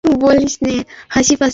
এটা ভুল বোঝাবুঝি।